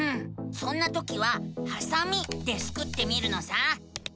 そんなときは「はさみ」でスクってみるのさ！